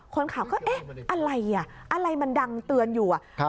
คนขับก็เอ๊ะอะไรอ่ะอะไรมันดังเตือนอยู่อ่ะ